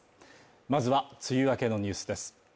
まずは、梅雨明けのニュースです。